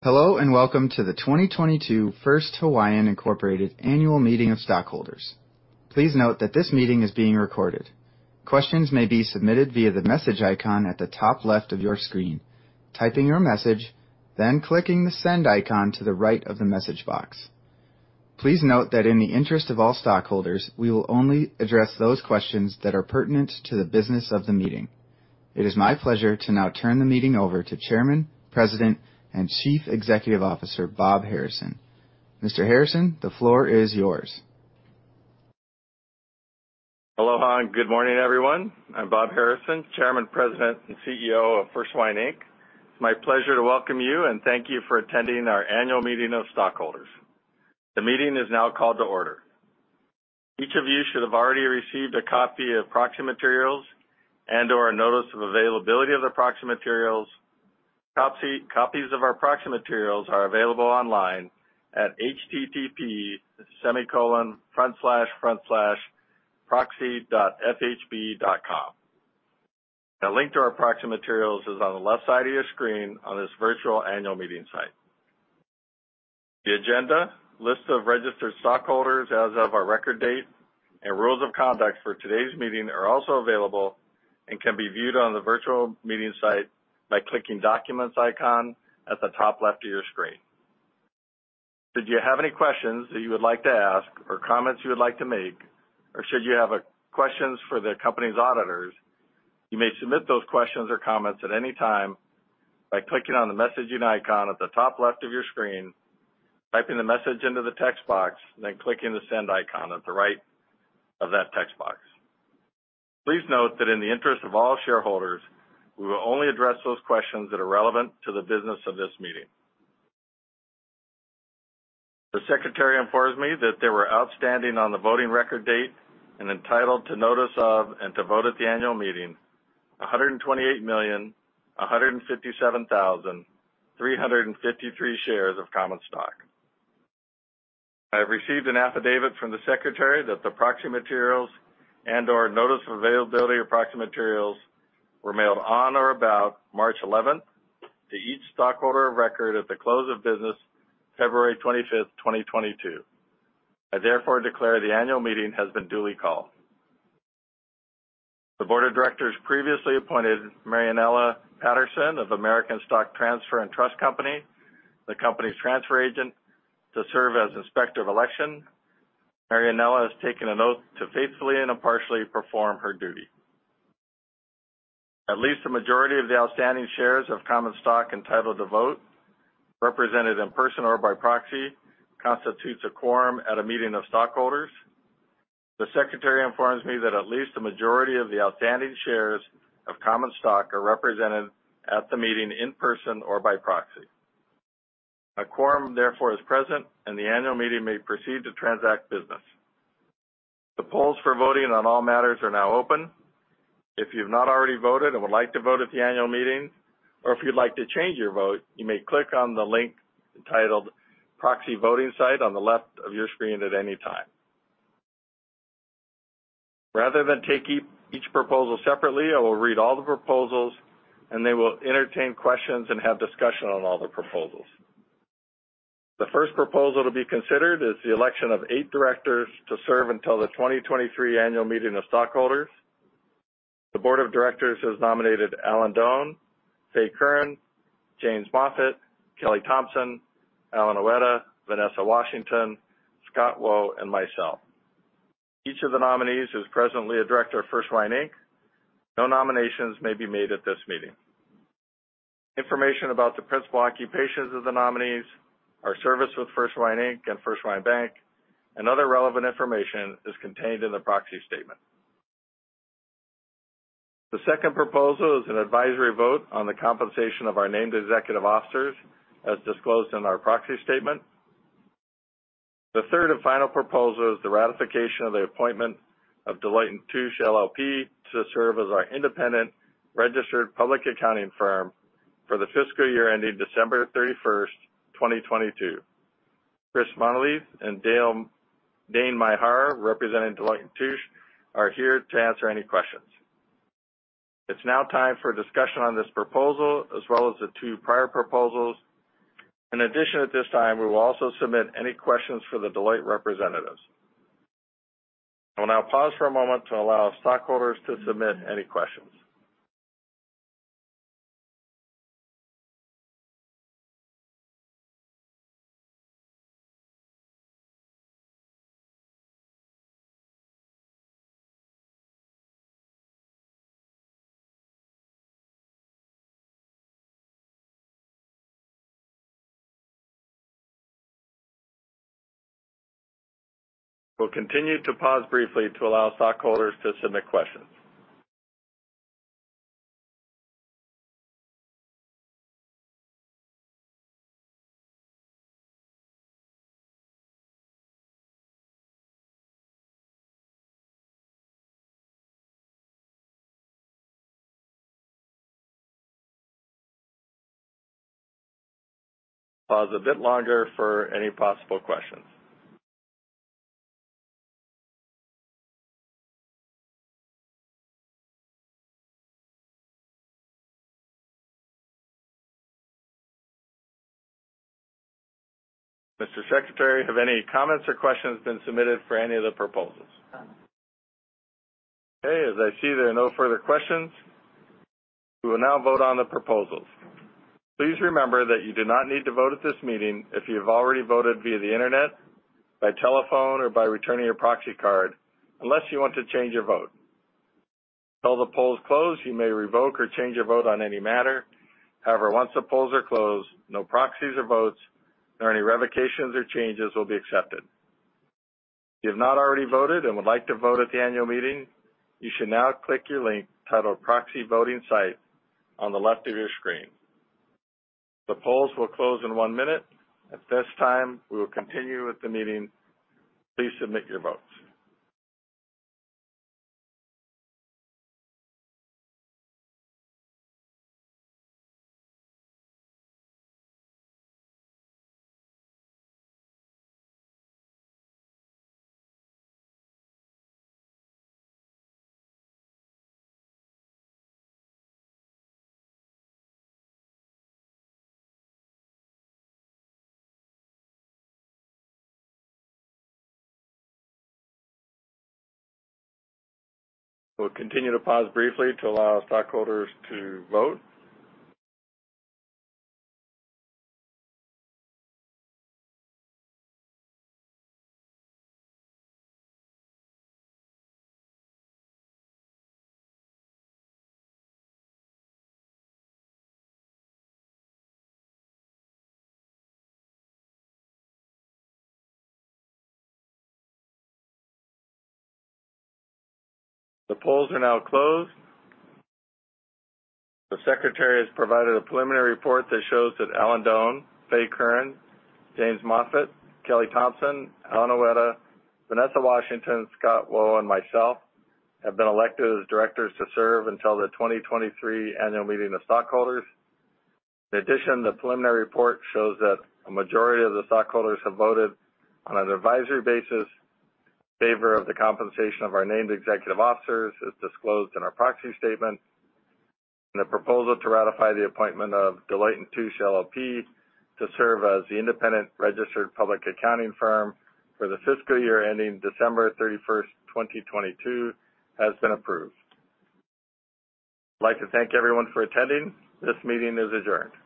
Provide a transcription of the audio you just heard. Hello, and welcome to the 2022 First Hawaiian, Inc. Annual Meeting of Stockholders. Please note that this meeting is being recorded. Questions may be submitted via the message icon at the top left of your screen, typing your message, then clicking the send icon to the right of the message box. Please note that in the interest of all stockholders, we will only address those questions that are pertinent to the business of the meeting. It is my pleasure to now turn the meeting over to Chairman, President, and Chief Executive Officer, Bob Harrison. Mr. Harrison, the floor is yours. Aloha, and good morning, everyone. I'm Bob Harrison, Chairman, President, and CEO of First Hawaiian, Inc. It's my pleasure to welcome you and thank you for attending our annual meeting of stockholders. The meeting is now called to order. Each of you should have already received a copy of proxy materials and/or a notice of availability of the proxy materials. Copies of our proxy materials are available online at http://proxy.fhb.com. A link to our proxy materials is on the left side of your screen on this virtual annual meeting site. The agenda, list of registered stockholders as of our record date, and rules of conduct for today's meeting are also available and can be viewed on the virtual meeting site by clicking Documents icon at the top left of your screen. Should you have any questions that you would like to ask or comments you would like to make, or should you have questions for the company's auditors, you may submit those questions or comments at any time by clicking on the messaging icon at the top left of your screen, typing the message into the text box, and then clicking the send icon at the right of that text box. Please note that in the interest of all shareholders, we will only address those questions that are relevant to the business of this meeting. The Secretary informs me that there were outstanding on the voting record date and entitled to notice of and to vote at the annual meeting, 128,157,353 shares of common stock. I have received an affidavit from the Secretary that the proxy materials and/or notice of availability of proxy materials were mailed on or about March 11 to each stockholder of record at the close of business February 25, 2022. I therefore declare the annual meeting has been duly called. The Board of Directors previously appointed Marianela Patterson of American Stock Transfer & Trust Company, the company's transfer agent, to serve as Inspector of Election. Marianela has taken an oath to faithfully and impartially perform her duty. At least a majority of the outstanding shares of common stock entitled to vote, represented in person or by proxy, constitutes a quorum at a meeting of stockholders. The Secretary informs me that at least a majority of the outstanding shares of common stock are represented at the meeting in person or by proxy. A quorum, therefore, is present, and the annual meeting may proceed to transact business. The polls for voting on all matters are now open. If you've not already voted and would like to vote at the annual meeting, or if you'd like to change your vote, you may click on the link titled Proxy Voting Site on the left of your screen at any time. Rather than take each proposal separately, I will read all the proposals, and then we'll entertain questions and have discussion on all the proposals. The first proposal to be considered is the election of eight directors to serve until the 2023 annual meeting of stockholders. The board of directors has nominated W. Allen Doane, Faye Kurren, James S. Moffatt, Kelly A. Thompson, Allen Uyeda, Vanessa L. Washington, C. Scott Wo, and myself. Each of the nominees is presently a director of First Hawaiian, Inc. No nominations may be made at this meeting. Information about the principal occupations of the nominees, our service with First Hawaiian, Inc. and First Hawaiian Bank, and other relevant information is contained in the proxy statement. The second proposal is an advisory vote on the compensation of our named executive officers, as disclosed in our proxy statement. The third and final proposal is the ratification of the appointment of Deloitte & Touche LLP to serve as our independent registered public accounting firm for the fiscal year ending December 31, 2022. Christopher Monteilh and Dane Majar, representing Deloitte & Touche, are here to answer any questions. It's now time for a discussion on this proposal as well as the two prior proposals. In addition, at this time, we will also submit any questions for the Deloitte representatives. I will now pause for a moment to allow stockholders to submit any questions. We'll continue to pause briefly to allow stockholders to submit questions. Pause a bit longer for any possible questions. Mr. Secretary, have any comments or questions been submitted for any of the proposals? Okay, as I see there are no further questions, we will now vote on the proposals. Please remember that you do not need to vote at this meeting if you have already voted via the Internet, by telephone, or by returning your proxy card unless you want to change your vote. Until the polls close, you may revoke or change your vote on any matter. However, once the polls are closed, no proxies or votes or any revocations or changes will be accepted. If you have not already voted and would like to vote at the annual meeting, you should now click your link titled Proxy Voting Site on the left of your screen. The polls will close in 1 minute. At this time, we will continue with the meeting. Please submit your votes. We'll continue to pause briefly to allow stockholders to vote. The polls are now closed. The secretary has provided a preliminary report that shows that W. Allen Doane, Faye Kurren, James S. Moffatt, Kelly A. Thompson, Allen Uyeda, Vanessa L. Washington, C. Scott Wo, and myself have been elected as directors to serve until the 2023 annual meeting of stockholders. In addition, the preliminary report shows that a majority of the stockholders have voted on an advisory basis in favor of the compensation of our named executive officers as disclosed in our proxy statement. The proposal to ratify the appointment of Deloitte & Touche LLP to serve as the independent registered public accounting firm for the fiscal year ending December 31, 2022 has been approved. I'd like to thank everyone for attending. This meeting is adjourned.